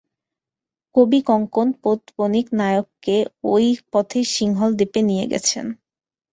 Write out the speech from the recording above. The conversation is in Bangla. কবিকঙ্কণ পোতবণিক-নায়ককে ঐ পথেই সিংহল দ্বীপে নিয়ে গেছেন।